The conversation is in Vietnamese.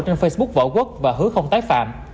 trên facebook võ quốc và hứa không tái phạm